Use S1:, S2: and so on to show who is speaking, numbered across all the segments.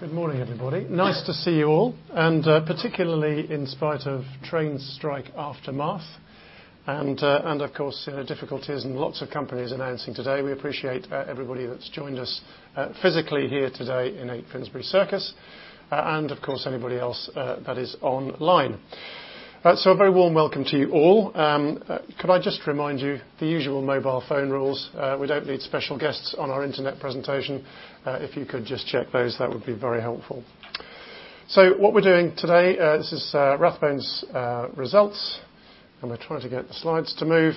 S1: Good morning, everybody. Nice to see you all, and particularly in spite of train strike aftermath and of course difficulties and lots of companies announcing today. We appreciate everybody that's joined us physically here today in 8 Finsbury Circus and of course, anybody else that is online. A very warm welcome to you all. Could I just remind you the usual mobile phone rules we don't need special guests on our internet presentation if you could just check those that would be very helpful. What we're doing today, this is Rathbones' results, and we're trying to get the slides to move.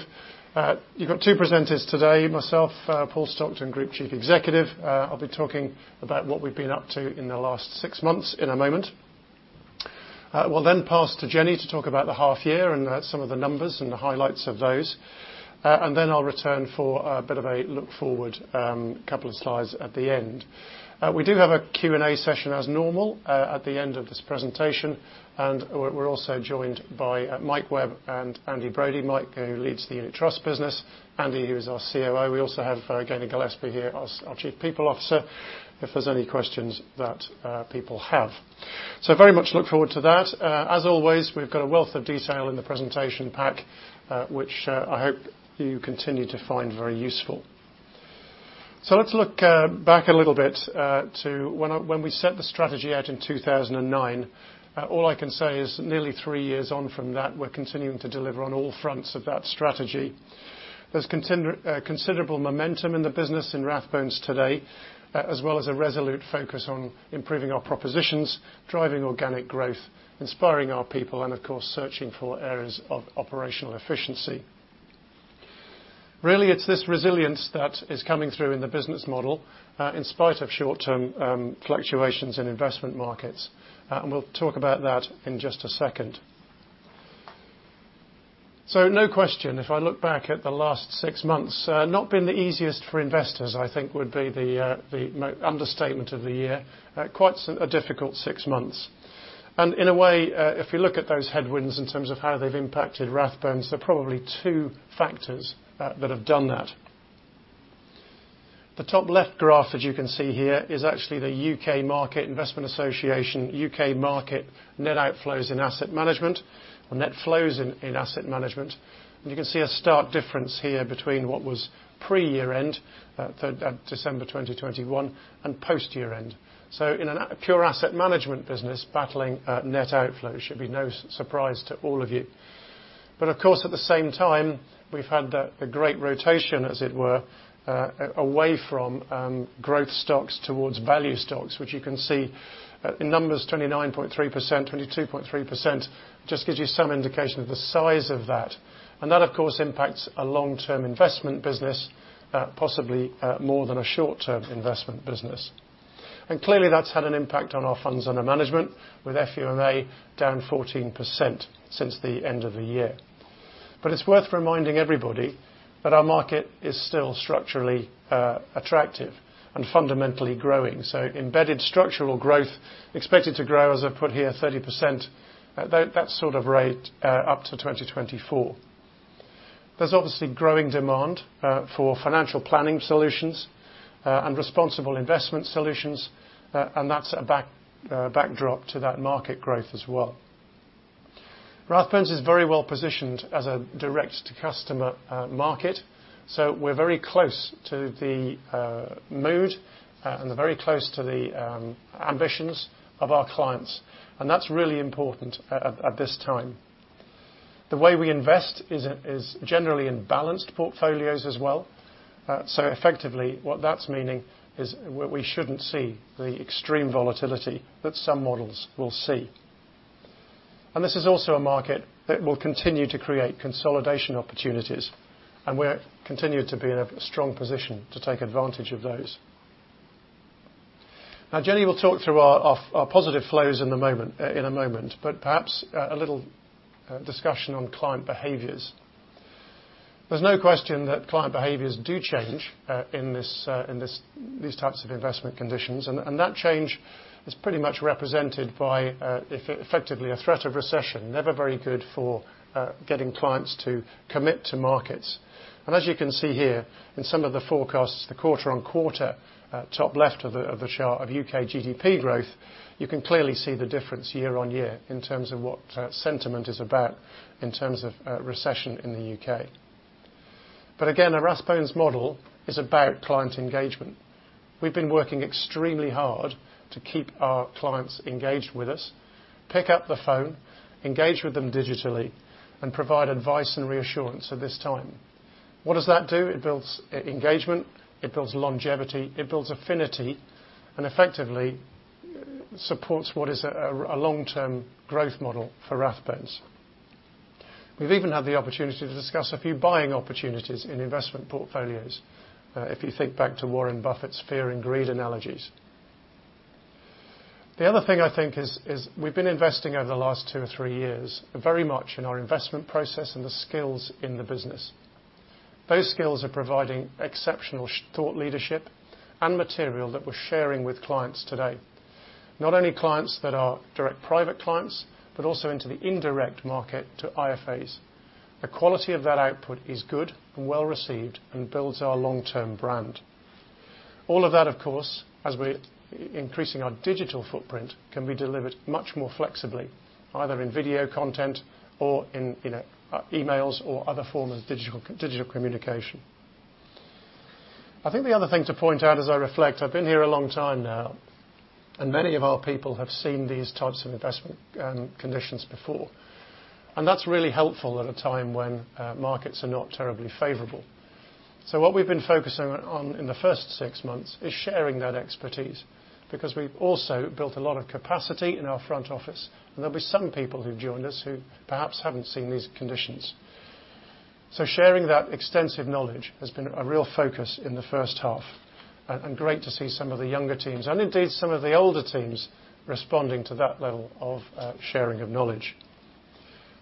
S1: You've got two presenters today, myself, Paul Stockton, Group Chief Executive. I'll be talking about what we've been up to in the last six months in a moment. We'll then pass to Jenny to talk about the half year and some of the numbers and the highlights of those. I'll return for a bit of a look forward, couple of slides at the end. We do have a Q&A session as normal at the end of this presentation, and we're also joined by Mike Webb and Andy Brodie. Mike leads the unit trust business, Andy, who is our COO. We also have Gaynor Gillespie here, our Chief People Officer, if there's any questions that people have. Very much look forward to that. As always, we've got a wealth of detail in the presentation pack, which I hope you continue to find very useful. Let's look back a little bit to when we set the strategy out in 2009 all I can say is nearly three years on from that we're continuing to deliver on all fronts of that strategy. There's considerable momentum in the business in Rathbones today, as well as a resolute focus on improving our propositions, driving organic growth, inspiring our people, and of course, searching for areas of operational efficiency. Really, it's this resilience that is coming through in the business model, in spite of short-term fluctuations in investment markets. We'll talk about that in just a second. No question, if I look back at the last six months not been the easiest for investors, I think would be the understatement of the year. Quite a difficult six months. In a way, if you look at those headwinds in terms of how they've impacted Rathbones they're probably two factors that have done that. The top left graph, as you can see here is actually the U.K. market Investment Association U.K. market net outflows in asset management or net flows in asset management. You can see a stark difference here between what was pre-year-end, December 2021, and post-year-end in a pure asset management business, battling net outflow should be no surprise to all of you. Of course, at the same time, we've had a great rotation, as it were, away from growth stocks towards value stocks, which you can see in numbers 29.3%, 22.3%, just gives you some indication of the size of that. That, of course, impacts a long-term investment business, possibly more than a short-term investment business. Clearly, that's had an impact on our funds under management with FUMA down 14% since the end of the year. It's worth reminding everybody that our market is still structurally attractive and fundamentally growing. Embedded structural growth expected to grow as I've put here 30%. That sort of rate up to 2024. There's obviously growing demand for financial planning solutions and responsible investment solution and that's a backdrop to that market growth as well. Rathbones is very well-positioned as a direct to customer market so we're very close to the mood and very close to the ambitions of our clients, and that's really important at this time. The way we invest is generally in balanced portfolios as well. So effectively, what that's meaning is we shouldn't see the extreme volatility that some models will see. This is also a market that will continue to create consolidation opportunities, and we continue to be in a strong position to take advantage of those. Now, Jenny will talk through our positive flows in a moment, but perhaps a little discussion on client behaviors. There's no question that client behaviors do change in these types of investment conditions. That change is pretty much represented by effectively a threat of recession. Never very good for getting clients to commit to markets. As you can see here, in some of the forecasts, the quarter-on-quarter top left of the chart of U.K. GDP growth, you can clearly see the difference year-on-year in terms of what sentiment is about in terms of recession in the U.K. Again, a Rathbones model is about client engagement. We've been working extremely hard to keep our clients engaged with us, pick up the phone, engage with them digitally, and provide advice and reassurance at this time. What does that do? It builds e-engagement, it builds longevity, it builds affinity, and effectively supports what is a long-term growth model for Rathbones. We've even had the opportunity to discuss a few buying opportunities in investment portfolios, if you think back to Warren Buffett's fear and greed analogies. The other thing I think is we've been investing over the last two or three years, very much in our investment process and the skills in the business. Those skills are providing exceptional thought leadership and material that we're sharing with clients today. Not only clients that are direct private clients, but also into the indirect market to IFAs. The quality of that output is good and well-received and builds our long-term brand. All of that, of course, as we're increasing our digital footprint can be delivered much more flexibly either in video content or in, you know, emails or other forms of digital communication. I think the other thing to point out as I reflect i've been here a long time now, and many of our people have seen these types of investment conditions before. That's really helpful at a time when markets are not terribly favorable. What we've been focusing on in the first six months is sharing that expertise, because we've also built a lot of capacity in our front office, and there'll be some people who've joined us who perhaps haven't seen these conditions. Sharing that extensive knowledge has been a real focus in the first half. Great to see some of the younger teams, and indeed some of the older teams, responding to that level of sharing of knowledge.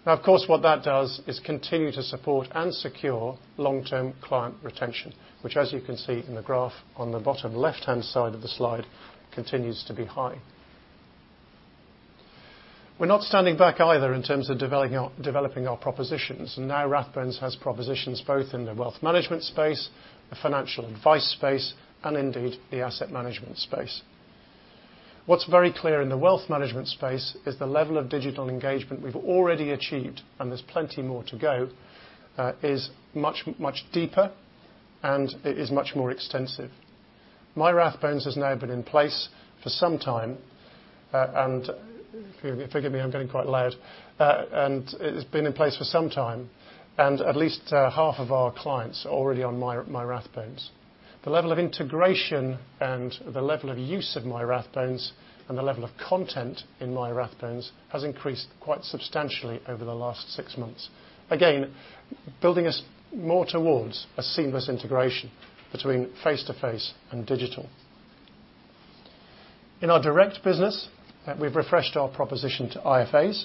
S1: Now, of course, what that does is continue to support and secure long-term client retention, which as you can see in the graph on the bottom left-hand side of the slide, continues to be high. We're not standing back either in terms of developing our propositions. Now Rathbones has propositions both in the wealth management space, the financial advice space, and indeed, the asset management space. What's very clear in the wealth management space is the level of digital engagement we've already achieved, and there's plenty more to go is much, much deeper and it is much more extensive. MyRathbones has now been in place for some time, and forgive me, I'm getting quite loud. It has been in place for some time, and at least half of our clients are already on MyRathbones. The level of integration and the level of use of MyRathbones and the level of content in MyRathbones has increased quite substantially over the last six months. Again, building us more towards a seamless integration between face-to-face and digital. In our direct business, we've refreshed our proposition to IFAs,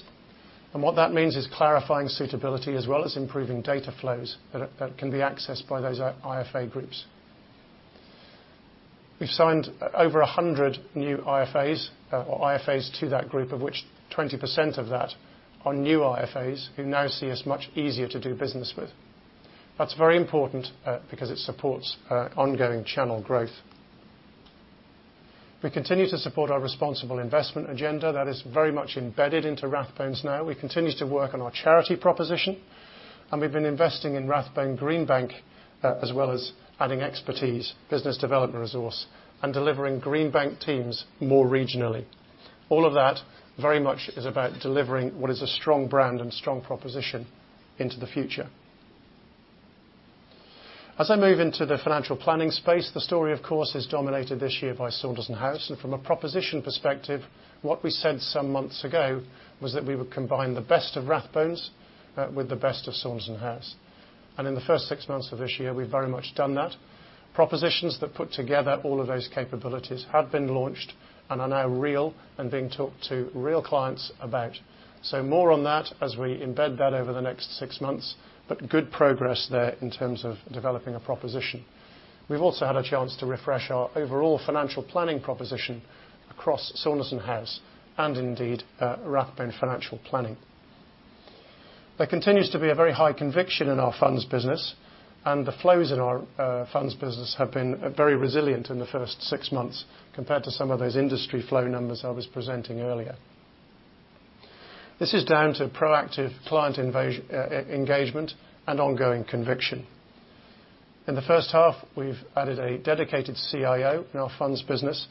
S1: and what that means is clarifying suitability as well as improving data flows that can be accessed by those IFA groups. We've signed over 100 new IFAs or IFAs to that group, of which 20% of that are new IFAs who now see us much easier to do business with. That's very important because it supports ongoing channel growth. We continue to support our responsible investment agenda. That is very much embedded into Rathbones now. We continue to work on our charity proposition, and we've been investing in Rathbone Greenbank, as well as adding expertise, business development resource, and delivering Greenbank teams more regionally. All of that very much is about delivering what is a strong brand and strong proposition into the future. As I move into the financial planning space, the story, of course, is dominated this year by Saunderson House. From a proposition perspective, what we said some months ago was that we would combine the best of Rathbones, with the best of Saunderson House. In the first six months of this year, we've very much done that. Propositions that put together all of those capabilities have been launched and are now real and being talked to real clients about. More on that as we embed that over the next six months, but good progress there in terms of developing a proposition. We've also had a chance to refresh our overall financial planning proposition across Saunderson House and indeed, Rathbone Financial Planning. There continues to be a very high conviction in our funds business and the flows in our funds business have been very resilient in the first six months compared to some of those industry flow numbers I was presenting earlier. This is down to proactive client engagement and ongoing conviction. In the first half, we've added a dedicated CIO in our funds business,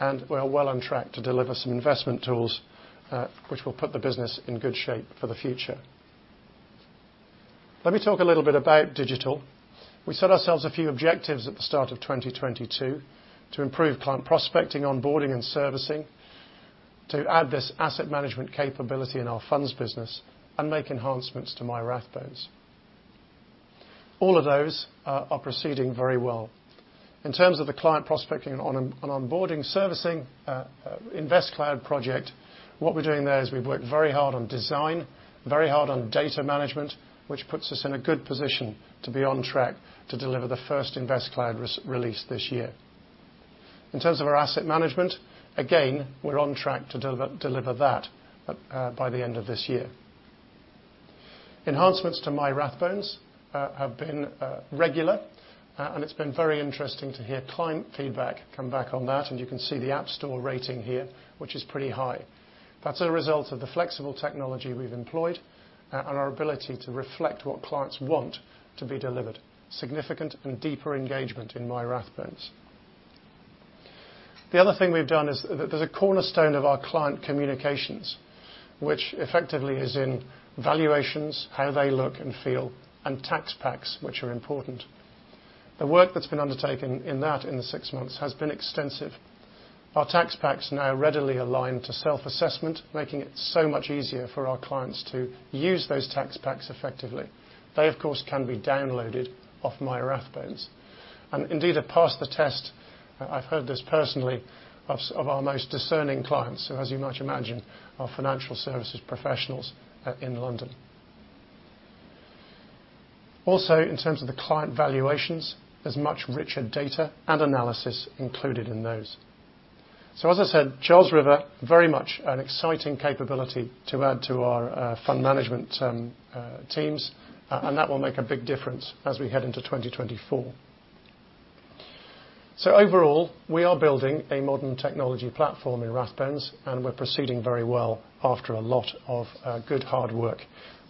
S1: and we're well on track to deliver some investment tools, which will put the business in good shape for the future. Let me talk a little bit about digital. We set ourselves a few objectives at the start of 2022 to improve client prospecting, onboarding and servicing, to add this asset management capability in our funds business, and make enhancements to MyRathbones. All of those are proceeding very well. In terms of the client prospecting and onboarding servicing, InvestCloud project, what we're doing there is we've worked very hard on design, very hard on data management, which puts us in a good position to be on track to deliver the first InvestCloud release this year. In terms of our asset management, again, we're on track to deliver that by the end of this year. Enhancements to MyRathbones have been regular, and it's been very interesting to hear client feedback come back on that, and you can see the App Store rating here, which is pretty high. That's a result of the flexible technology we've employed, and our ability to reflect what clients want to be delivered. Significant and deeper engagement in MyRathbones. The other thing we've done is the cornerstone of our client communications, which effectively is in valuations, how they look and feel, and tax packs, which are important. The work that's been undertaken in that in the six months has been extensive. Our tax packs now readily align to self-assessment, making it so much easier for our clients to use those tax packs effectively. They, of course, can be downloaded off MyRathbones. Indeed, it passed the test, I've heard this personally, of our most discerning clients, so as you might imagine, our financial services professionals, in London. In terms of the client valuations, there's much richer data and analysis included in those. As I said, Charles River, very much an exciting capability to add to our fund management teams. That will make a big difference as we head into 2024. Overall, we are building a modern technology platform in Rathbones, and we're proceeding very well after a lot of good hard work.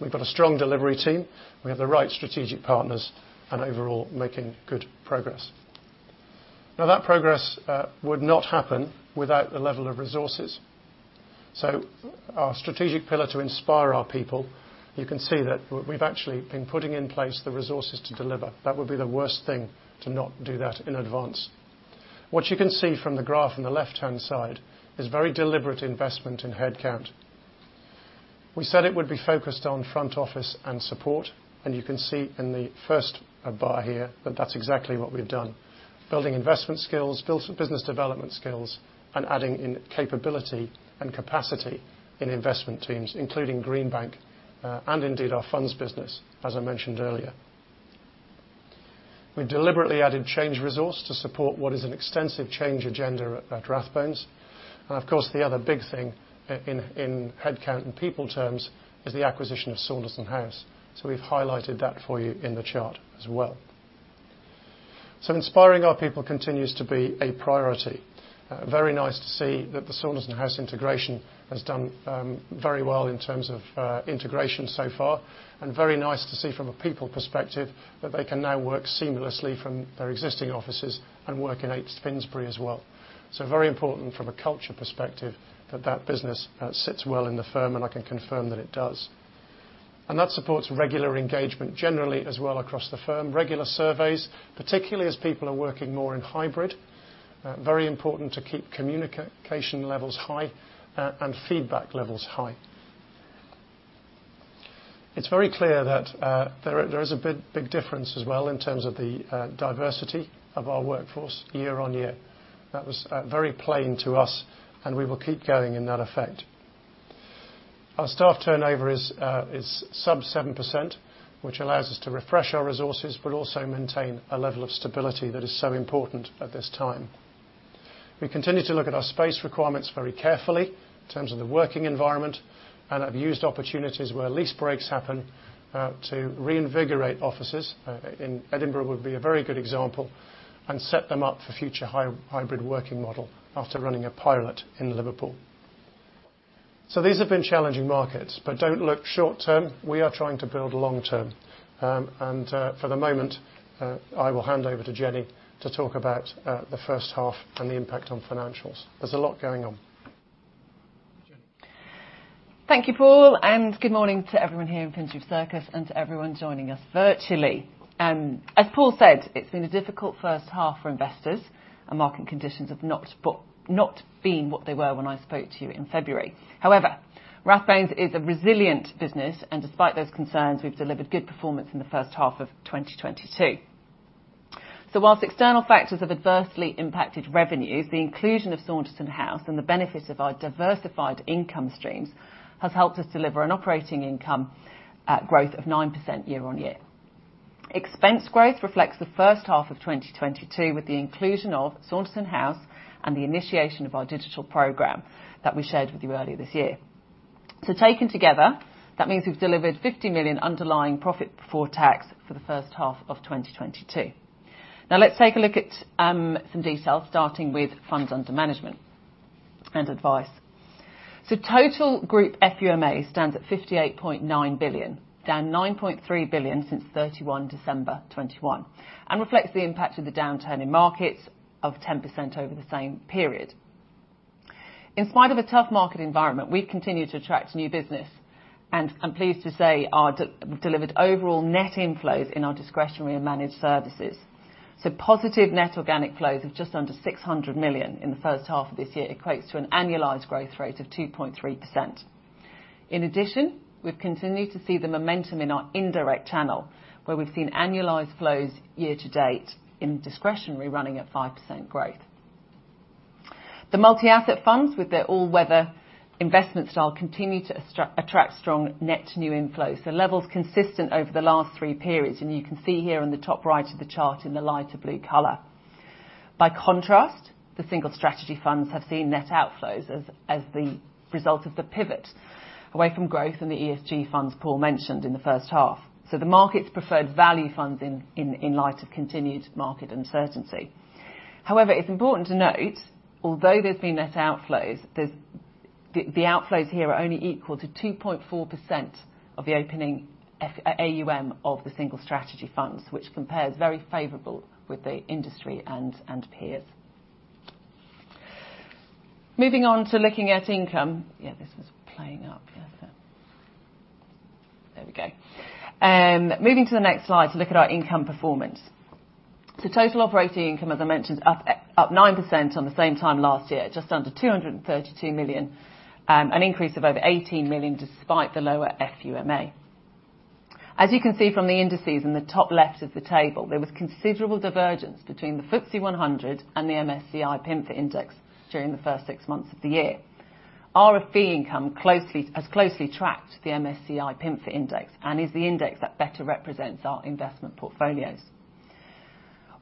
S1: We've got a strong delivery team. We have the right strategic partners, and overall making good progress. Now, that progress would not happen without the level of resources. Our strategic pillar to inspire our people, you can see that we've actually been putting in place the resources to deliver. That would be the worst thing to not do that in advance. What you can see from the graph on the left-hand side is very deliberate investment in headcount. We said it would be focused on front office and support, and you can see in the first bar here that that's exactly what we've done. Building investment skills, build some business development skills, and adding in capability and capacity in investment teams, including Greenbank, and indeed our funds business, as I mentioned earlier. We deliberately added change resource to support what is an extensive change agenda at Rathbones. Of course, the other big thing in headcount and people terms is the acquisition of Saunderson House. We've highlighted that for you in the chart as well. Inspiring our people continues to be a priority. Very nice to see that the Saunderson House integration has done very well in terms of integration so far, and very nice to see from a people perspective that they can now work seamlessly from their existing offices and work in 8 Finsbury as well. Very important from a culture perspective that that business sits well in the firm, and I can confirm that it does. That supports regular engagement generally as well across the firm. Regular surveys, particularly as people are working more in hybrid. Very important to keep communication levels high, and feedback levels high. It's very clear that there is a big difference as well in terms of the diversity of our workforce year on year. That was very plain to us, and we will keep going in that direction. Our staff turnover is sub 7%, which allows us to refresh our resources but also maintain a level of stability that is so important at this time. We continue to look at our space requirements very carefully in terms of the working environment, and have used opportunities where lease breaks happen to reinvigorate offices, and Edinburgh would be a very good example, and set them up for future hybrid working model after running a pilot in Liverpool. These have been challenging markets, but don't look short-term. We are trying to build long-term. For the moment, I will hand over to Jenny to talk about the first half and the impact on financials. There's a lot going on. Jenny.
S2: Thank you, Paul, and good morning to everyone here in Finsbury Circus and to everyone joining us virtually. As Paul said, it's been a difficult first half for investors and market conditions have not been what they were when I spoke to you in February. However, Rathbones is a resilient business, and despite those concerns we've delivered good performance in the first half of 2022. While external factors have adversely impacted revenues, the inclusion of Saunderson House and the benefits of our diversified income streams has helped us deliver an operating income growth of 9% year-on-year. Expense growth reflects the first half of 2022 with the inclusion of Saunderson House and the initiation of our digital program that we shared with you earlier this year. Taken together, that means we've delivered 50 million underlying profit before tax for the first half of 2022. Now let's take a look at some detail, starting with funds under management and advice. Total group FUMA stands at 58.9 billion, down 9.3 billion since December 31, 2021, and reflects the impact of the downturn in markets of 10% over the same period. In spite of a tough market environment, we continue to attract new business. I'm pleased to say we've delivered overall net inflows in our discretionary and managed services. Positive net organic flows of just under 600 million in the first half of this year equates to an annualized growth rate of 2.3%. In addition, we've continued to see the momentum in our indirect channel, where we've seen annualized flows year to date in discretionary running at 5% growth. The multi-asset funds with their all-weather investment style continue to attract strong net new inflows. Levels consistent over the last three periods, and you can see here on the top right of the chart in the lighter blue color. By contrast, the single strategy funds have seen net outflows as the result of the pivot away from growth in the ESG funds Paul mentioned in the first half. The market's preferred value funds in light of continued market uncertainty. However, it's important to note, although there's been net outflows, the outflows here are only equal to 2.4% of the opening FUMA of the single strategy funds, which compares very favorable with the industry and peers. Moving on to looking at income. Yeah, this is playing up. Yeah. There we go. Moving to the next slide to look at our income performance. So total operating income, as I mentioned, up 9% on the same time last year, just under 232 million. An increase of over 18 million despite the lower FUMA. As you can see from the indices in the top left of the table, there was considerable divergence between the [FTSE] 100 and the MSCI PIMFA index during the first six months of the year. Our fee income has closely tracked the MSCI PIMFA index and is the index that better represents our investment portfolios.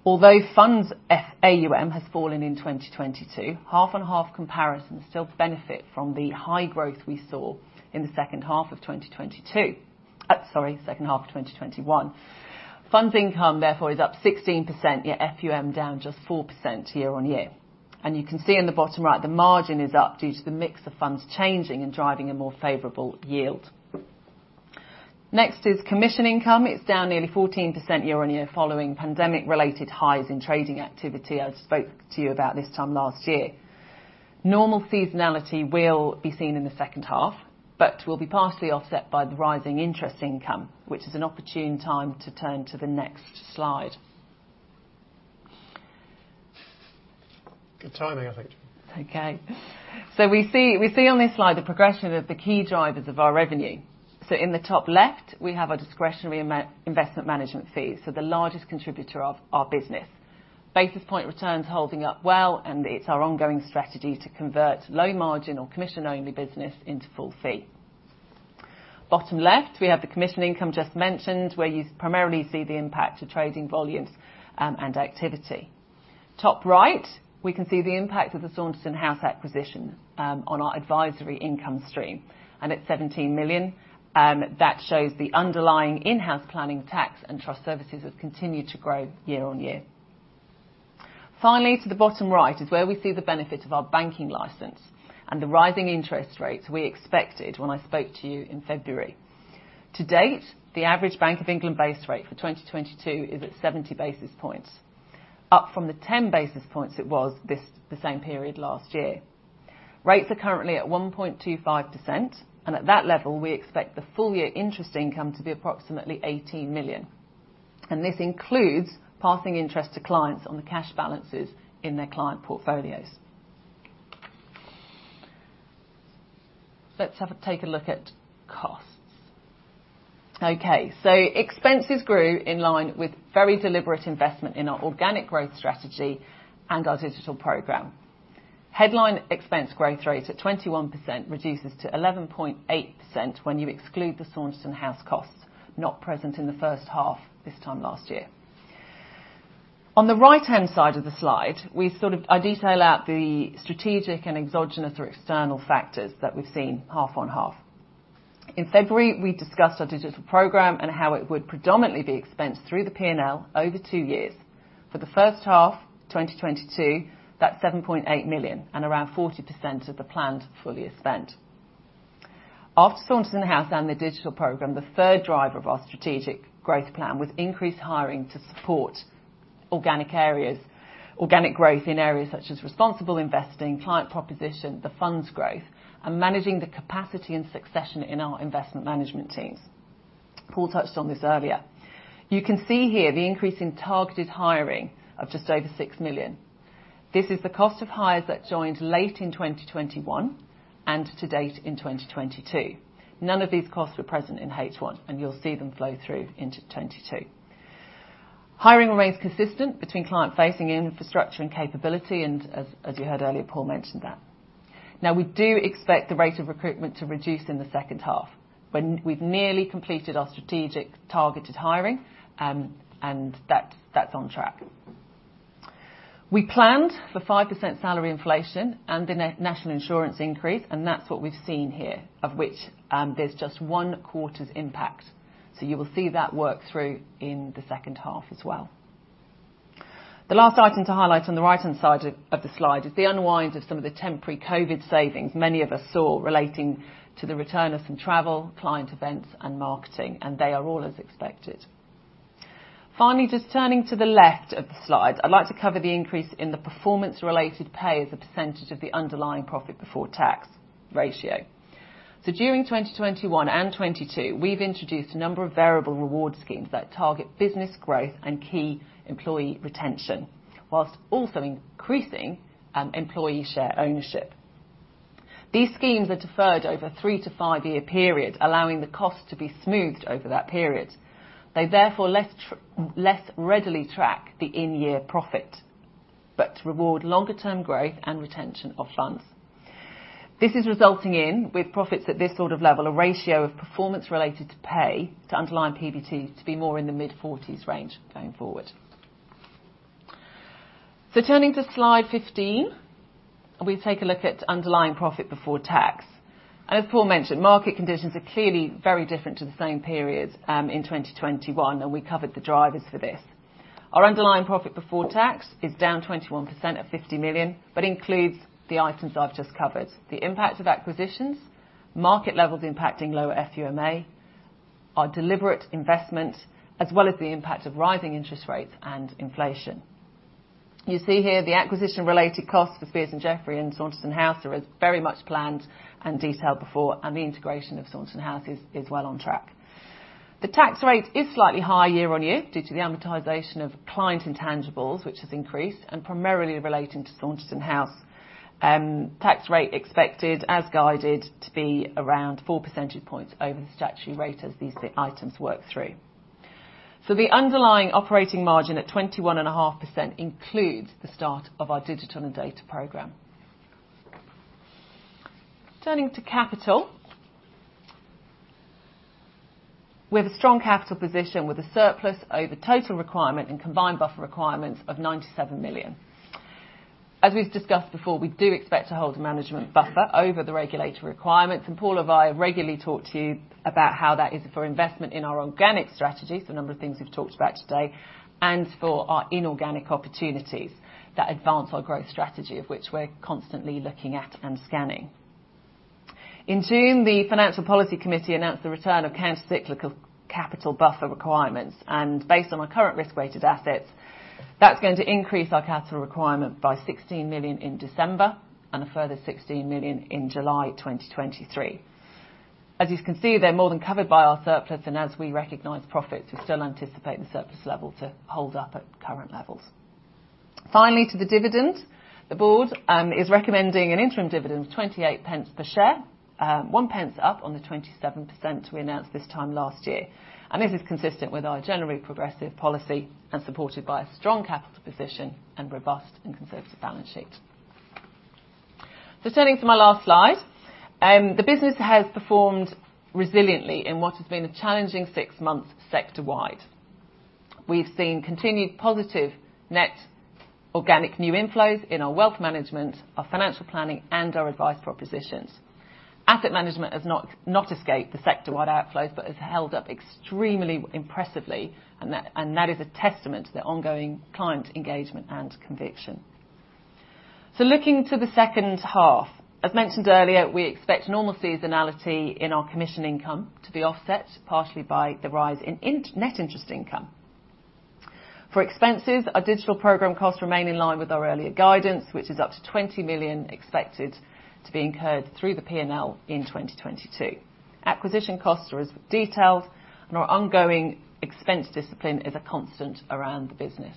S2: Although funds FUMA has fallen in 2022, half-on-half comparisons still benefit from the high growth we saw in the second half of 2021. Funds income, therefore, is up 16%, yet FUMA down just 4% year-on-year. You can see in the bottom right, the margin is up due to the mix of funds changing and driving a more favorable yield. Next is commission income. It's down nearly 14% year-on-year following pandemic-related highs in trading activity. I spoke to you about this time last year. Normal seasonality will be seen in the second half, but will be partially offset by the rising interest income, which is an opportune time to turn to the next slide.
S1: Good timing, I think.
S2: Okay. We see on this slide the progression of the key drivers of our revenue. In the top left, we have our discretionary investment management fees, so the largest contributor of our business. Basis point returns holding up well, and it's our ongoing strategy to convert low margin or commission-only business into full fee. Bottom left, we have the commission income just mentioned, where you primarily see the impact of trading volumes and activity. Top right, we can see the impact of the Saunderson House acquisition on our advisory income stream. At 17 million, that shows the underlying in-house planning tax and trust services have continued to grow year-on-year. Finally, to the bottom right is where we see the benefit of our banking license and the rising interest rates we expected when I spoke to you in February. To date, the average Bank of England base rate for 2022 is at 70 basis points, up from the 10 basis points it was this, the same period last year. Rates are currently at 1.25%, and at that level, we expect the full year interest income to be approximately 18 million. This includes passing interest to clients on the cash balances in their client portfolios. Let's take a look at costs. Okay. Expenses grew in line with very deliberate investment in our organic growth strategy and our digital program. Headline expense growth rate at 21% reduces to 11.8% when you exclude the Saunderson House costs not present in the first half this time last year. On the right-hand side of the slide, I detail out the strategic and exogenous or external factors that we've seen half-on-half. In February, we discussed our digital program and how it would predominantly be expensed through the P&L over two years. For the first half, 2022, that's 7.8 million and around 40% of the planned full year spend. After Saunderson House and the digital program, the third driver of our strategic growth plan was increased hiring to support organic areas, organic growth in areas such as responsible investing, client proposition, the funds growth, and managing the capacity and succession in our investment management teams. Paul touched on this earlier. You can see here the increase in targeted hiring of just over 6 million. This is the cost of hires that joined late in 2021 and to date in 2022. None of these costs were present in H1, and you'll see them flow through into 2022. Hiring remains consistent between client facing infrastructure and capability, and as you heard earlier, Paul mentioned that. Now, we do expect the rate of recruitment to reduce in the second half when we've nearly completed our strategic targeted hiring, and that's on track. We planned for 5% salary inflation and the national insurance increase, and that's what we've seen here, of which there's just one quarter's impact. You will see that work through in the second half as well. The last item to highlight on the right-hand side of the slide is the unwind of some of the temporary COVID savings many of us saw relating to the return of some travel, client events, and marketing, and they are all as expected. Finally, just turning to the left of the slide, I'd like to cover the increase in the performance-related pay as a percentage of the underlying profit before tax ratio. During 2021 and 2022, we've introduced a number of variable reward schemes that target business growth and key employee retention, while also increasing employee share ownership. These schemes are deferred over a three to five year period, allowing the cost to be smoothed over that period. They therefore less readily track the in-year profit, but reward longer term growth and retention of funds. This is resulting in, with profits at this sort of level, a ratio of performance-related pay to underlying PBT to be more in the mid-40s range going forward. Turning to slide 15, we take a look at underlying profit before tax. As Paul mentioned, market conditions are clearly very different to the same periods in 2021, and we covered the drivers for this. Our underlying profit before tax is down 21% at 50 million, but includes the items I've just covered. The impact of acquisitions, market levels impacting lower FUMA, our deliberate investment, as well as the impact of rising interest rates and inflation. You see here the acquisition-related costs for Speirs & Jeffrey and Saunderson House are as very much planned and detailed before, and the integration of Saunderson House is well on track. The tax rate is slightly higher year-on-year due to the amortization of client intangibles, which has increased, and primarily relating to Saunderson House. Tax rate expected, as guided, to be around four percentage points over the statutory rate as these items work through. The underlying operating margin at 21.5% includes the start of our digital and data program. Turning to capital. We have a strong capital position with a surplus over total requirement and combined buffer requirements of 97 million. As we've discussed before, we do expect to hold management buffer over the regulatory requirements, and Paul and I regularly talk to you about how that is for investment in our organic strategies, the number of things we've talked about today, and for our inorganic opportunities that advance our growth strategy, of which we're constantly looking at and scanning. In June, the Financial Policy Committee announced the return of countercyclical capital buffer requirements, and based on our current risk-weighted assets, that's going to increase our capital requirement by 16 million in December and a further 16 million in July 2023. As you can see, they're more than covered by our surplus, and as we recognize profits, we still anticipate the surplus level to hold up at current levels. Finally, to the dividend. The board is recommending an interim dividend of 28 pence per share, one pence up on the 27% we announced this time last year. This is consistent with our generally progressive policy and supported by a strong capital position and robust and conservative balance sheet. Turning to my last slide. The business has performed resiliently in what has been a challenging six months sector-wide. We've seen continued positive net organic new inflows in our wealth management, our financial planning, and our advice propositions. Asset management has not escaped the sector-wide outflows, but has held up extremely impressively, and that is a testament to their ongoing client engagement and conviction. Looking to the second half. As mentioned earlier, we expect normal seasonality in our commission income to be offset partially by the rise in net interest income. For expenses, our digital program costs remain in line with our earlier guidance, which is up to 20 million expected to be incurred through the P&L in 2022. Acquisition costs are as detailed, and our ongoing expense discipline is a constant around the business.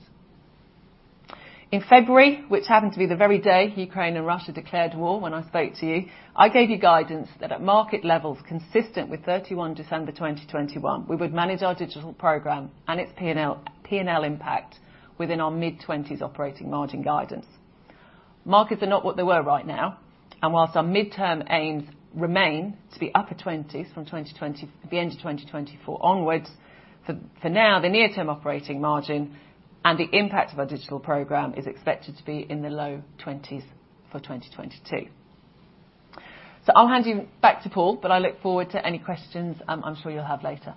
S2: In February, which happened to be the very day Ukraine and Russia declared war when I spoke to you, I gave you guidance that at market levels consistent with December 31, 2021, we would manage our digital program and its P&L impact within our mid-20s operating margin guidance. Markets are not what they were right now, and while our midterm aims remain to be upper 20s from 2020 to the end of 2024 onwards, for now, the near term operating margin and the impact of our digital program is expected to be in the low 20s for 2022. I'll hand you back to Paul, but I look forward to any questions, I'm sure you'll have later.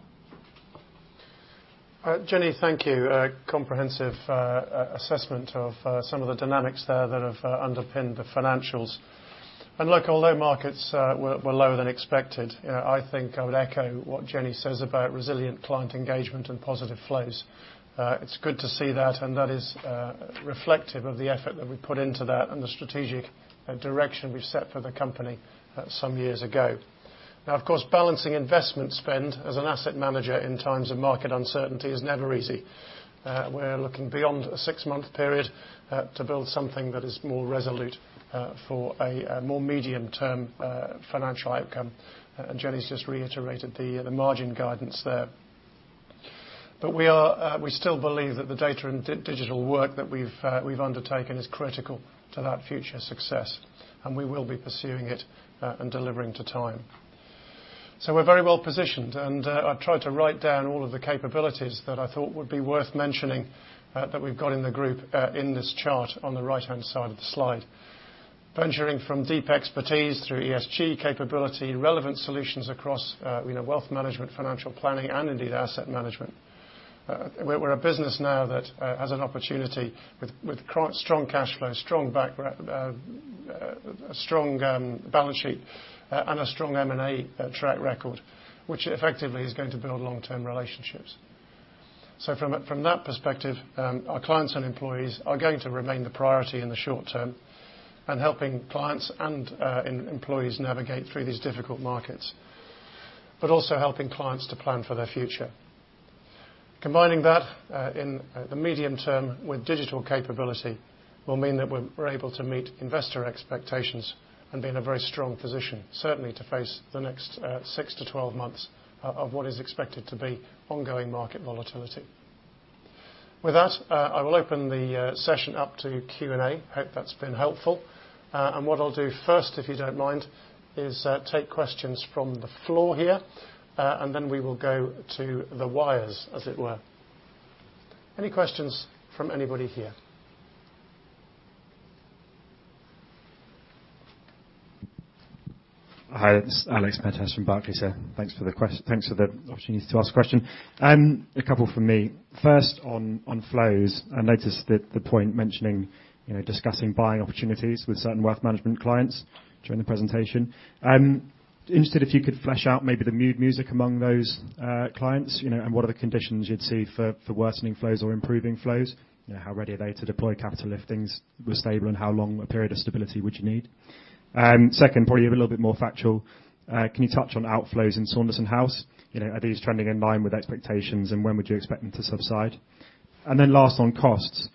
S1: Jenny, thank you. A comprehensive assessment of some of the dynamics there that have underpinned the financials. Look although markets were lower than expected, I think I would echo what Jenny says about resilient client engagement and positive flows. It's good to see that, and that is reflective of the effort that we put into that and the strategic direction we set for the company some years ago. Now, of course, balancing investment spend as an asset manager in times of market uncertainty is never easy. We're looking beyond a six-month period to build something that is more resolute for a more medium-term financial outcome. Jenny's just reiterated the margin guidance there. We are. We still believe that the data and digital work that we've undertaken is critical to that future success, and we will be pursuing it and delivering on time. We're very well positioned, and I've tried to write down all of the capabilities that I thought would be worth mentioning that we've got in the group in this chart on the right-hand side of the slide. From deep expertise through ESG capability, relevant solutions across you know wealth management, financial planning, and indeed asset management. We're a business now that has an opportunity with strong cash flow, a strong balance sheet, and a strong M&A track record, which effectively is going to build long-term relationships. From that perspective, our clients and employees are going to remain the priority in the short term and helping clients and employees navigate through these difficult markets, but also helping clients to plan for their future. Combining that in the medium term with digital capability will mean that we're able to meet investor expectations and be in a very strong position, certainly to face the next six to 12 months of what is expected to be ongoing market volatility. With that, I will open the session up to Q&A. Hope that's been helpful. What I'll do first, if you don't mind, is take questions from the floor here, and then we will go to the wires, as it were. Any questions from anybody here?
S3: Hi, this is Alex Mendes from Barclays here. Thanks for the opportunity to ask a question. A couple from me. First, on flows, I noticed that the point you mentioned, you know, discussing buying opportunities with certain wealth management clients during the presentation. Interested if you could flesh out maybe the mood music among those clients, you know, and what are the conditions you'd see for worsening flows or improving flows? You know, how ready are they to deploy capital if things were stable, and how long a period of stability would you need? Second, probably a little bit more factual. Can you touch on outflows in Saunderson House? You know, are these trending in line with expectations, and when would you expect them to subside? Last on costs.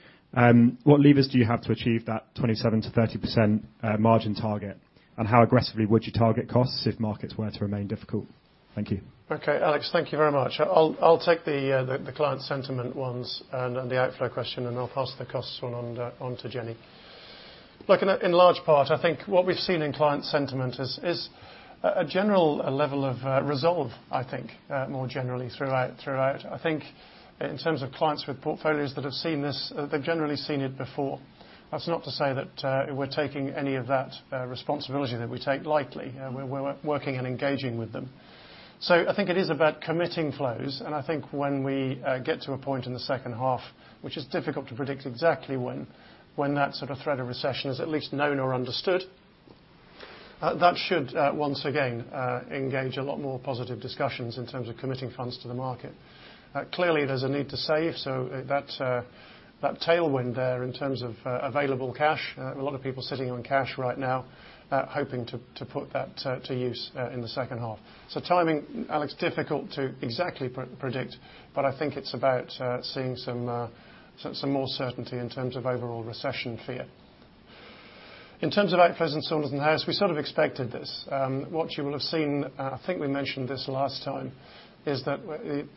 S3: What levers do you have to achieve that 27%-30% margin target? How aggressively would you target costs if markets were to remain difficult? Thank you.
S1: Okay, Alex, thank you very much. I'll take the client sentiment ones and the outflow question, and I'll pass the costs one on to Jenny. Look, in large part, I think what we've seen in client sentiment is a general level of resolve, I think, more generally throughout. I think in terms of clients with portfolios that have seen this, they've generally seen it before. That's not to say that we're taking any of that responsibility that we take lightly. We're working and engaging with them. I think it is about committing flows. I think when we get to a point in the second half, which is difficult to predict exactly when that sort of threat of recession is at least known or understood, that should once again engage a lot more positive discussions in terms of committing funds to the market. Clearly there's a need to save, so that that tailwind there in terms of available cash, a lot of people sitting on cash right now, hoping to put that to use in the second half. Timing, Alex, difficult to exactly predict, but I think it's about seeing some more certainty in terms of overall recession fear. In terms of outflows in Saunderson House, we sort of expected this. What you will have seen, I think we mentioned this last time, is that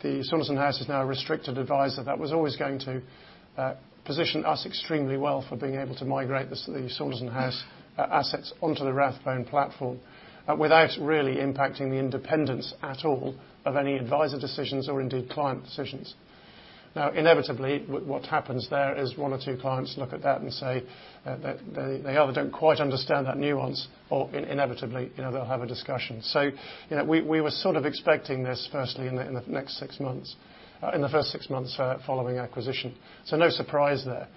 S1: the Saunderson House is now a restricted advisor. That was always going to position us extremely well for being able to migrate the Saunderson House assets onto the Rathbones platform without really impacting the independence at all of any advisor decisions or indeed client decisions. Now, inevitably, what happens there is one or two clients look at that and say that they either don't quite understand that nuance or inevitably, you know, they'll have a discussion. You know, we were sort of expecting this firstly in the first six months following acquisition. No surprise there.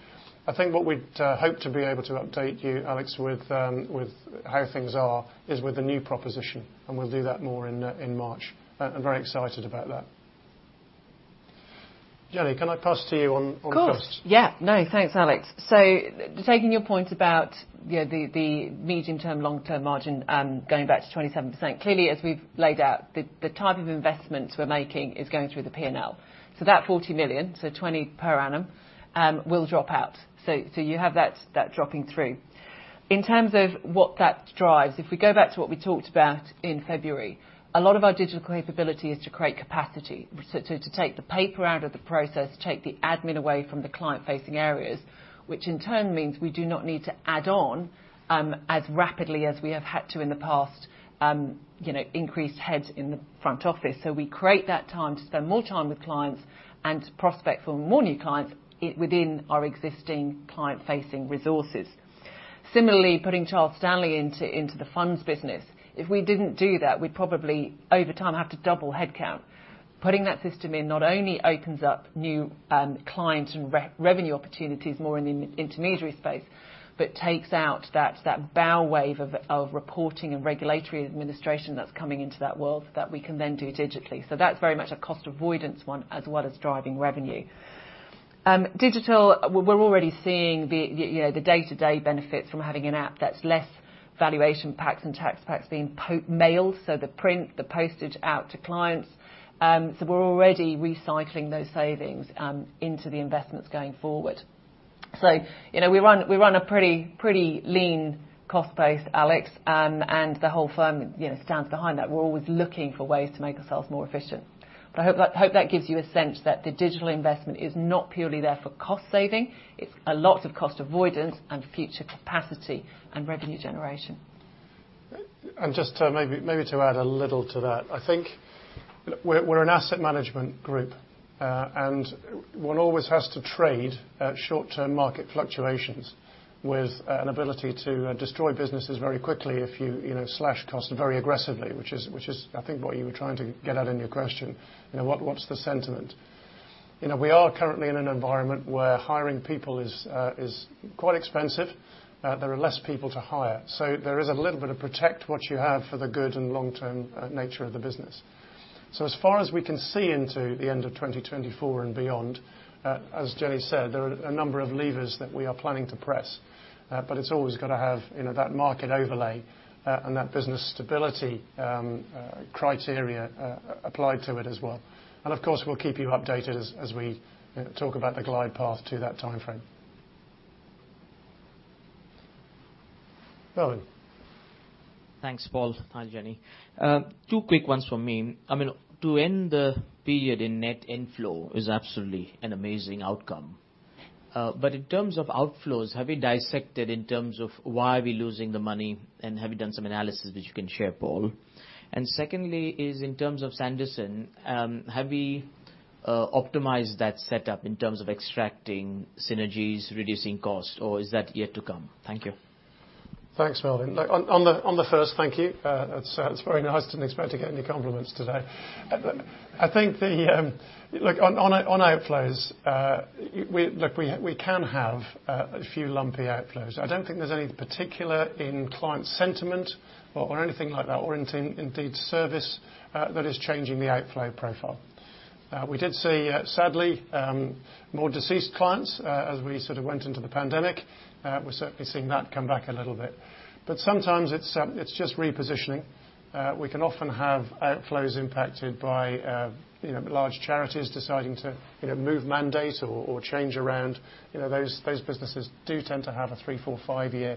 S1: I think what we'd hope to be able to update you, Alex, with how things are is with the new proposition, and we'll do that more in March. I'm very excited about that. Jenny can I pass to you on costs?
S2: Of course. Yeah, no, thanks, Alex. Taking your point about, you know, the medium term, long term margin going back to 27%. Clearly, as we've laid out, the type of investments we're making is going through the P&L. That 40 million so 20 per annum, will drop out. You have that dropping through. In terms of what that drives, if we go back to what we talked about in February, a lot of our digital capability is to create capacity, so to take the paper out of the process, take the admin away from the client-facing areas, which in turn means we do not need to add on as rapidly as we have had to in the past, you know, increase heads in the front office. We create that time to spend more time with clients and to prospect for more new clients within our existing client-facing resources. Similarly, putting Charles Stanley into the funds business. If we didn't do that, we'd probably over time have to double headcount. Putting that system in not only opens up new clients and revenue opportunities more in the intermediary space, but takes out that bow wave of reporting and regulatory administration that's coming into that world that we can then do digitally. That's very much a cost avoidance one as well as driving revenue. Digital, we're already seeing you know the day-to-day benefits from having an app that's less valuation packs and tax packs being mailed, so the printing, the postage out to clients. We're already recycling those savings into the investments going forward. You know, we run a pretty lean cost base, Alex, and the whole firm, you know, stands behind that. We're always looking for ways to make ourselves more efficient. I hope that gives you a sense that the digital investment is not purely there for cost saving. It's a lot of cost avoidance and future capacity and revenue generation.
S1: Just to maybe add a little to that. I think we're an asset management group, and one always has to trade off short-term market fluctuations with an ability to destroy businesses very quickly if you know slash costs very aggressively, which is I think what you were trying to get at in your question. You know, what's the sentiment. You know, we are currently in an environment where hiring people is quite expensive. There are less people to hire. There is a little bit of protect what you have for the good and long-term nature of the business. As far as we can see into the end of 2024 and beyond, as Jenny said, there are a number of levers that we are planning to press. It's always gonna have, you know, that market overlay, and that business stability criteria applied to it as well. Of course, we'll keep you updated as we talk about the glide path to that timeframe. Melvin.
S4: Thanks, Paul. Hi, Jenny. Two quick ones from me. I mean, to end the period in net inflow is absolutely an amazing outcome. But in terms of outflows, have you dissected in terms of why we're losing the money, and have you done some analysis which you can share, Paul? Secondly, is in terms of Saunderson, have we optimized that setup in terms of extracting synergies, reducing cost, or is that yet to come? Thank you.
S1: Thanks, Melvin. On the first, thank you. That's very nice. Didn't expect to get any compliments today. I think... Look, on outflows, we can have a few lumpy outflows. I don't think there's any particular change in client sentiment or anything like that or in the team's individual service that is changing the outflow profile. We did see, sadly, more deceased clients, as we sort of went into the pandemic. We're certainly seeing that come back a little bit. Sometimes it's just repositioning. We can often have outflows impacted by, you know, large charities deciding to, you know, move mandates or change around. You know, those businesses do tend to have three, four, and five year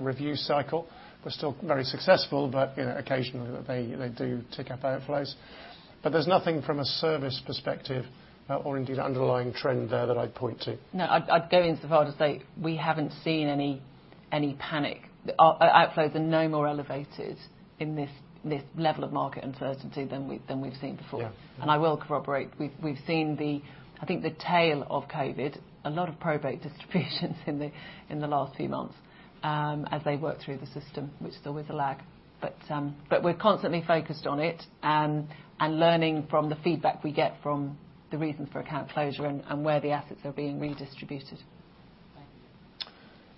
S1: review cycle. We're still very successful, but, you know, occasionally they do tick up outflows. There's nothing from a service perspective, or indeed underlying trend there that I'd point to.
S2: No, I'd go even so far to say we haven't seen any panic. Our outflows are no more elevated in this level of market uncertainty than we've seen before. I will corroborate. We've seen the, I think the tail of COVID, a lot of probate distributions in the last few months, as they work through the system, which is always a lag. We're constantly focused on it and learning from the feedback we get from the reason for account closure and where the assets are being redistributed.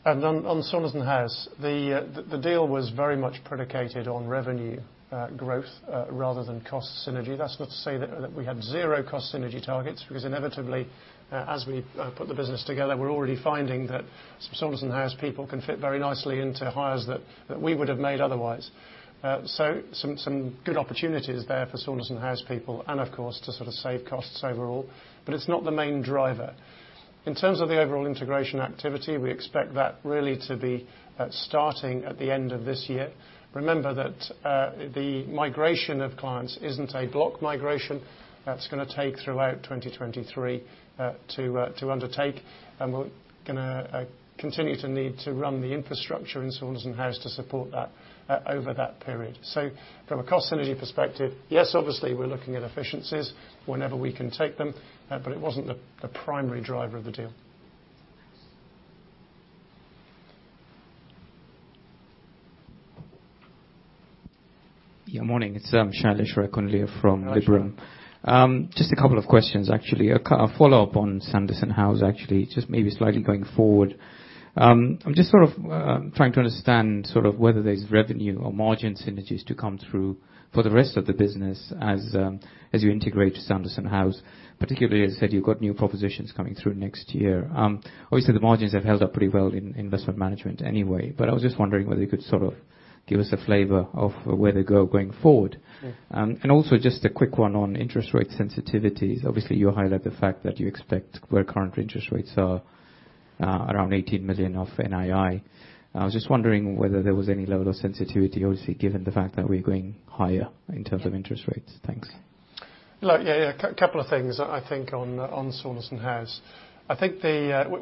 S1: On Saunderson House, the deal was very much predicated on revenue growth rather than cost synergy. That's not to say that we had zero cost synergy targets, because inevitably as we put the business together, we're already finding that some Saunderson House people can fit very nicely into hires that we would have made otherwise. So some good opportunities there for Saunderson House people and, of course, to sort of save costs overall, but it's not the main driver. In terms of the overall integration activity, we expect that really to be starting at the end of this year. Remember that the migration of clients isn't a block migration. That's gonna take throughout 2023 to undertake, and we're gonna continue to need to run the infrastructure in Saunderson House to support that over that period. From a cost synergy perspective, yes, obviously we're looking at efficiencies whenever we can take them, but it wasn't the primary driver of the deal.
S4: Thanks.
S5: Yeah. Morning. It's Shailesh Raikundlia from Liberum.
S1: Hi, Shailesh.
S5: Just a couple of questions, actually. A follow-up on Saunderson House, actually, just maybe slightly going forward. I'm just sort of trying to understand sort of whether there's revenue or margin synergies to come through for the rest of the business as you integrate Saunderson House. Particularly, as you said, you've got new propositions coming through next year. Obviously the margins have held up pretty well in investment management anyway, but I was just wondering whether you could sort of give us a flavor of where they go going forward. Also just a quick one on interest rate sensitivities. Obviously, you highlight the fact that you expect where current interest rates are, around 18 million of NII. I was just wondering whether there was any level of sensitivity, obviously, given the fact that we're going higher in terms of interest rates. Thanks.
S1: Look, yeah. A couple of things, I think, on Saunderson House.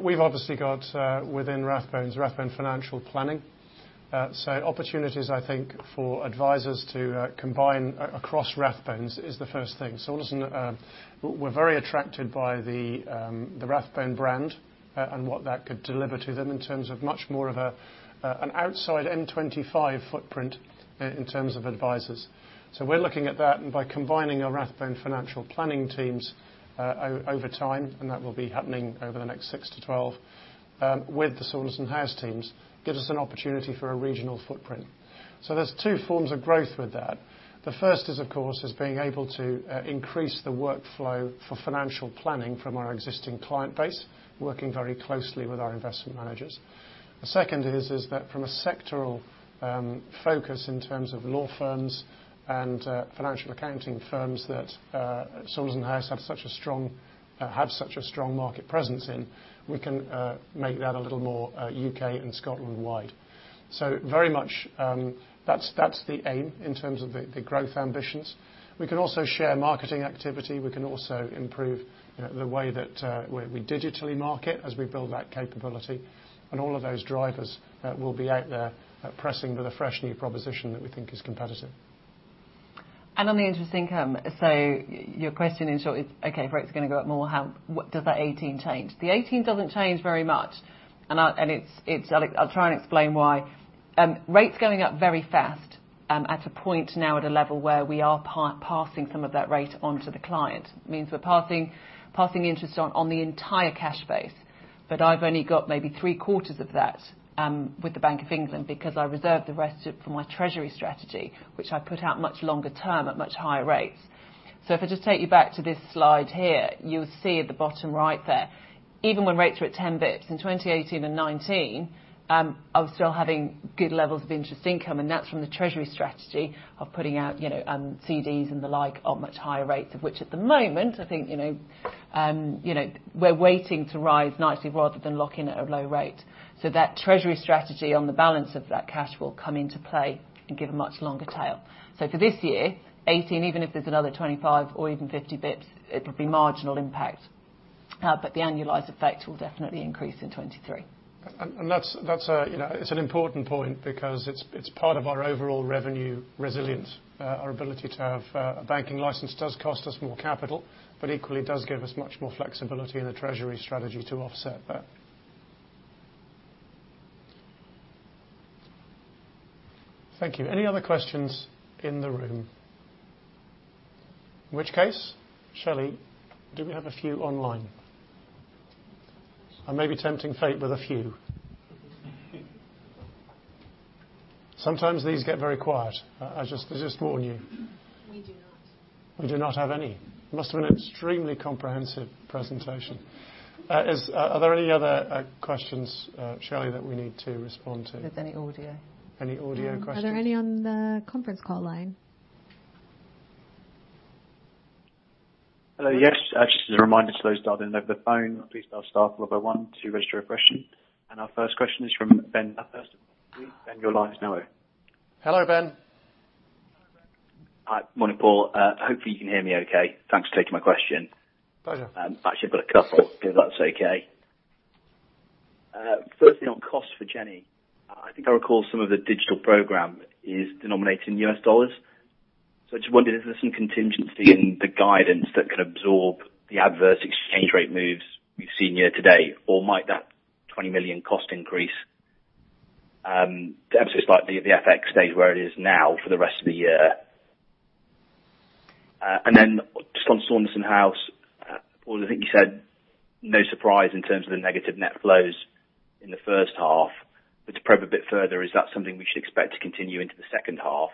S1: We’ve obviously got Rathbone Financial Planning within Rathbones. Opportunities, I think, for advisors to combine across Rathbones is the first thing. Saunderson House. We’re very attracted by the Rathbone brand, and what that could deliver to them in terms of much more of an outside M25 footprint in terms of advisors. We’re looking at that. By combining our Rathbone financial planning teams over time, and that will be happening over the next six to 12 with the Saunderson House teams, gives us an opportunity for a regional footprint. There’s two forms of growth with that. The first is, of course, being able to increase the workflow for financial planning from our existing client base, working very closely with our investment managers. The second is that from a sectoral focus in terms of law firms and financial accounting firms that Saunderson House have such a strong market presence in, we can make that a little more U.K. and Scotland-wide. Very much, that's the aim in terms of the growth ambitions. We can also share marketing activity. We can also improve, you know, the way that we digitally market as we build that capability. All of those drivers will be out there pressing with a fresh new proposition that we think is competitive.
S2: On the interest income. Your question, in short, is, okay, if rate's gonna go up more, how, what does that [18] change? The [18] doesn't change very much. I'll try and explain why. Rate's going up very fast, at a point now at a level where we are passing some of that rate on to the client. It means we're passing interest on the entire cash base. I've only got maybe three-quarters of that with the Bank of England because I reserve the rest of it for my treasury strategy, which I put out much longer term at much higher rates. If I just take you back to this slide here, you'll see at the bottom right there, even when rates were at 10 basis points in 2018 and 2019, I was still having good levels of interest income, and that's from the treasury strategy of putting out, you know, CDs and the like at much higher rates. Of which at the moment, I think, you know, you know, we're waiting to rise nicely rather than lock in at a low rate. That treasury strategy on the balance of that cash will come into play and give a much longer tail. For this year, 2018, even if there's another 25 basis points or even 50 basis points, it would be marginal impact. But the annualized effect will definitely increase in 2023.
S1: That's a you know. It's an important point because it's part of our overall revenue resilience. Our ability to have a banking license does cost us more capital, but equally does give us much more flexibility in the treasury strategy to offset that. Thank you. Any other questions in the room? In which case, Shelly, do we have a few online? I may be tempting fate with a few. Sometimes these get very quiet. I just warn you.
S6: We do not.
S1: We do not have any. Must have been an extremely comprehensive presentation. Are there any other questions, Shelley, that we need to respond to?
S2: With any audio.
S1: Any audio questions?
S6: Are there any on the conference call line?
S7: Hello. Yes. Just as a reminder to those dialed in over the phone, please dial star four point one to register a question. Our first question is from Ben Bathurst. Ben, your line is now open.
S1: Hello, Ben.
S8: Hi. Morning, Paul. Hopefully you can hear me okay. Thanks for taking my question.
S1: Pleasure.
S8: Actually, I've got a couple if that's okay. First, on cost for Jenny. I think I recall some of the digital program is denominated in U.S. dollars. So I just wondered if there's some contingency in the guidance that can absorb the adverse exchange rate moves we've seen year-to-date, or might that 20 million cost increase ever so slightly at the FX rate where it is now for the rest of the year? Then just on Saunderson House, Paul, I think you said no surprise in terms of the negative net flows in the first half. To probe a bit further, is that something we should expect to continue into the second half?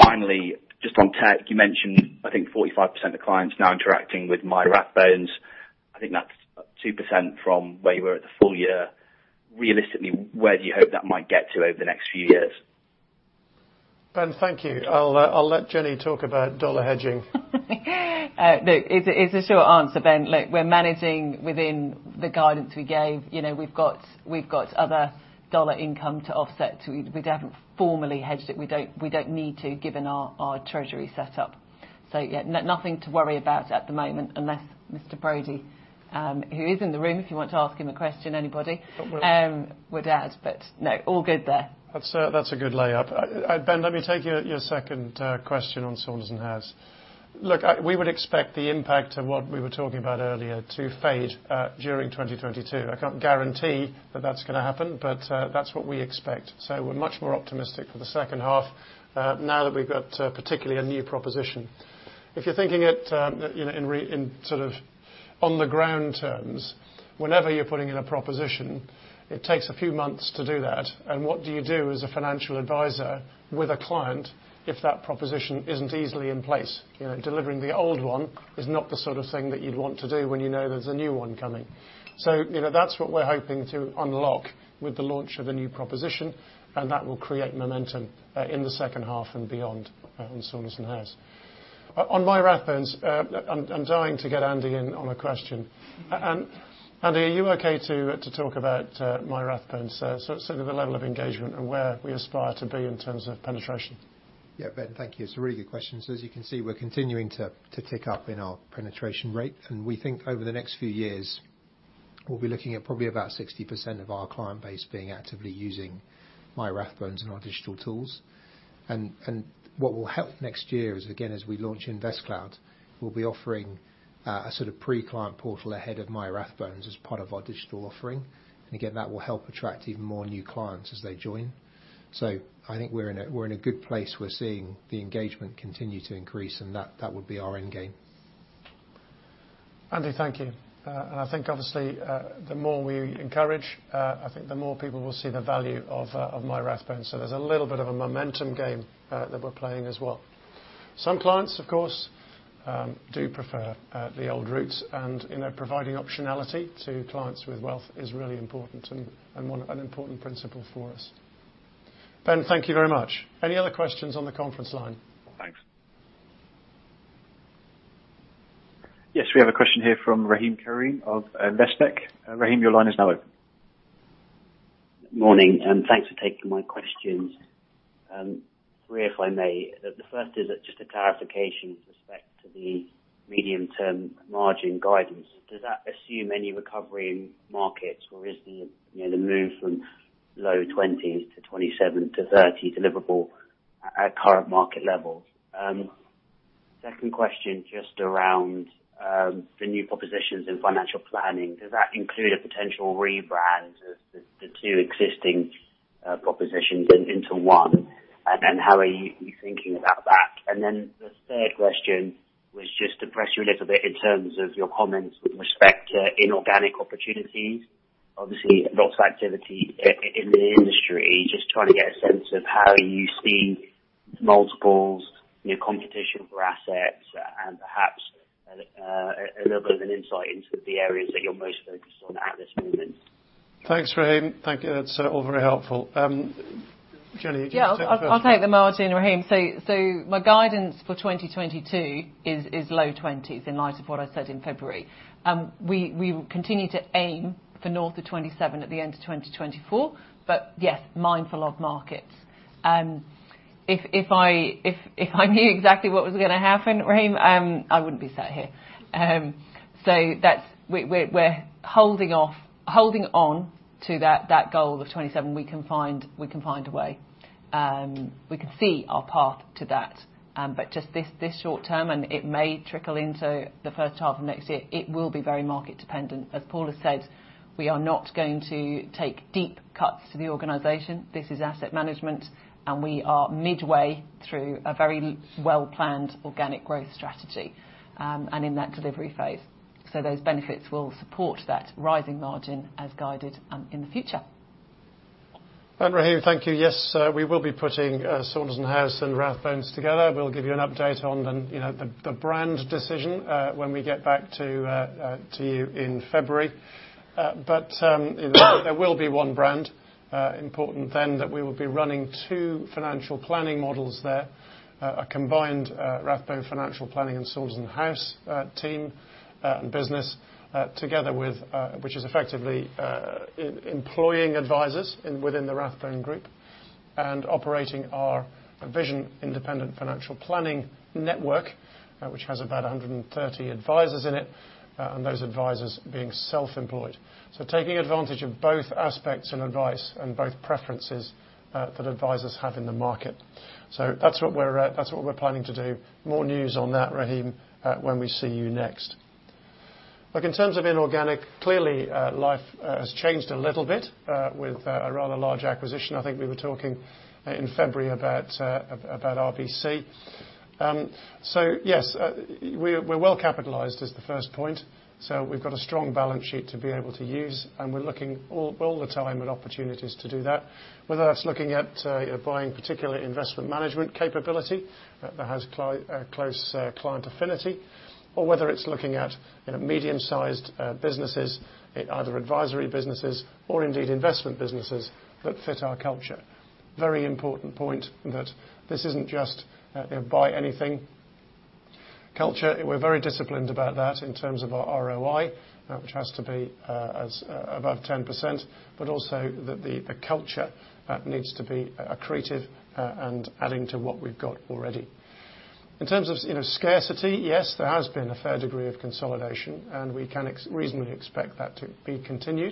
S8: Finally, just on tech, you mentioned I think 45% of clients now interacting with MyRathbones. I think that's up 2% from where you were at the full year. Realistically, where do you hope that might get to over the next few years?
S1: Ben, thank you. I'll let Jenny talk about dollar hedging.
S2: No. It's a short answer, Ben. Look, we're managing within the guidance we gave. You know, we've got other dollar income to offset. We haven't formally hedged it. We don't need to, given our treasury setup. So yeah. Nothing to worry about at the moment, unless Mr. Brodie, who is in the room if you want to ask him a question, anybody.
S1: But we're-
S2: We're good. No, all good there.
S1: That's a good layup. Ben, let me take your second question on Saunderson House. Look, we would expect the impact of what we were talking about earlier to fade during 2022. I can't guarantee that that's gonna happen, but that's what we expect. We're much more optimistic for the second half now that we've got particularly a new proposition. If you're thinking it, you know, in sort of on-the-ground terms, whenever you're putting in a proposition, it takes a few months to do that. What do you do as a financial advisor with a client if that proposition isn't easily in place? You know, delivering the old one is not the sort of thing that you'd want to do when you know there's a new one coming. You know, that's what we're hoping to unlock with the launch of a new proposition, and that will create momentum in the second half and beyond on Saunderson House. On MyRathbones, I'm dying to get Andy in on a question. Andy, are you okay to talk about MyRathbones, so sort of the level of engagement and where we aspire to be in terms of penetration?
S9: Yeah. Ben, thank you. It's a really good question. As you can see, we're continuing to tick up in our penetration rate. We think over the next few years we'll be looking at probably about 60% of our client base being actively using MyRathbones and our digital tools. What will help next year is, again, as we launch InvestCloud, we'll be offering a sort of pre-client portal ahead of MyRathbones as part of our digital offering. Again, that will help attract even more new clients as they join. I think we're in a good place. We're seeing the engagement continue to increase, and that would be our end game.
S1: Andy, thank you. I think obviously, the more we encourage, I think the more people will see the value of MyRathbones. There's a little bit of a momentum game that we're playing as well. Some clients of course do prefer the old route, and you know, providing optionality to clients with wealth is really important and an important principle for us. Ben, thank you very much. Any other questions on the conference line?
S8: Thanks.
S7: Yes. We have a question here from Rahim Karim of Investec. Rahim, your line is now open.
S10: Morning. Thanks for taking my questions. Three if I may the first is just a clarification with respect to the medium-term margin guidance. Does that assume any recovery in markets, or is the, you know, the move from low 20s to 27%-30% deliverable at current market levels? Second question just around the new propositions in financial planning. Does that include a potential rebrand of the two existing propositions into one? How are you thinking about that? The third question was just to press you a little bit in terms of your comments with respect to inorganic opportunities. Obviously lots of activity in the industry. Just trying to get a sense of how you see multiples, you know, competition for assets and perhaps, a little bit of an insight into the areas that you're most focused on at this moment.
S1: Thanks, Rahim. Thank you. That's all very helpful. Jenny, do you wanna take the first one?
S2: Yeah, I'll take the margin, Rahim. My guidance for 2022 is low 20s in light of what I said in February. We continue to aim for north of 27% at the end of 2024. Yes, mindful of markets. If I knew exactly what was gonna happen, Rahim, I wouldn't be sat here. That's. We're holding on to that goal of 27%. We can find a way. We can see our path to that. Just this short term, and it may trickle into the first half of next year, it will be very market dependent. As Paul has said, we are not going to take deep cuts to the organization. This is asset management, and we are midway through a very well-planned organic growth strategy, and in that delivery phase. Those benefits will support that rising margin as guided, in the future.
S1: Rahim, thank you. Yes, we will be putting Saunderson House and Rathbones together. We'll give you an update on, you know, the brand decision when we get back to you in February. You know, there will be one brand, important then that we will be running two financial planning models there. A combined Rathbone Financial Planning and Saunderson House team business together with which is effectively employing advisors within the Rathbones Group, and operating our Vision Independent Financial Planning network, which has about 130 advisors in it, and those advisors being self-employed. Taking advantage of both aspects and advice and both preferences that advisors have in the market. That's what we're planning to do. More news on that, Rahim, when we see you next. Look, in terms of inorganic, clearly, life has changed a little bit with a rather large acquisition. I think we were talking in February about RBC. So yes, we're well capitalized is the first point, so we've got a strong balance sheet to be able to use, and we're looking all the time at opportunities to do that, whether that's looking at, you know, buying particular investment management capability that has close client affinity, or whether it's looking at, in a medium-sized businesses, either advisory businesses or indeed investment businesses that fit our culture. Very important point in that this isn't just a buy anything culture. We're very disciplined about that in terms of our ROI, which has to be above 10%, but also that the culture needs to be creative and adding to what we've got already. In terms of, you know, scarcity, yes, there has been a fair degree of consolidation, and we can reasonably expect that to continue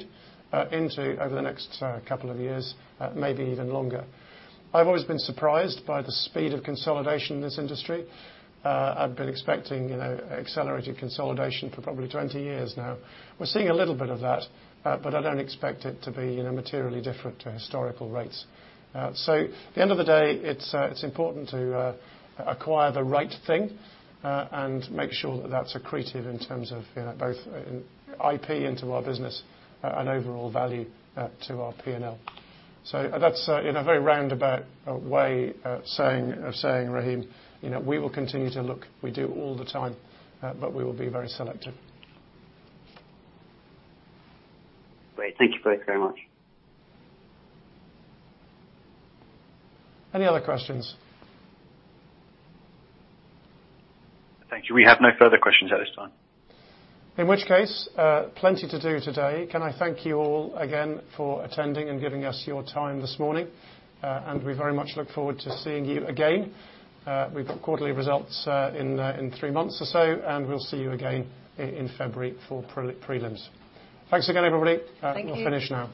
S1: over the next couple of years, maybe even longer. I've always been surprised by the speed of consolidation in this industry. I've been expecting, you know, accelerated consolidation for probably 20 years now. We're seeing a little bit of that, but I don't expect it to be, you know, materially different to historical rates. At the end of the day, it's important to acquire the right thing and make sure that that's accretive in terms of, you know, both IP into our business and overall value to our P&L. That's in a very roundabout way of saying, Rahim, you know, we will continue to look. We do all the time, but we will be very selective.
S10: Great. Thank you both very much.
S1: Any other questions?
S7: Thank you. We have no further questions at this time.
S1: In which case, plenty to do today. Can I thank you all again for attending and giving us your time this morning? We very much look forward to seeing you again. We've got quarterly results in three months or so, and we'll see you again in February for prelims. Thanks again, everybody.
S2: Thank you.
S1: We'll finish now.